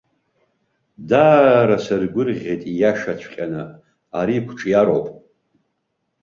Даара саргәырӷьеит, ииашаҵәҟьаны ари қәҿиароуп.